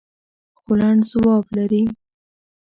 خو لنډ ځواب لري.